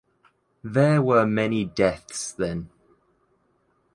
There were many deaths then.